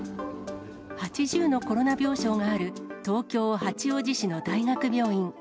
８０のコロナ病床がある東京・八王子市の大学病院。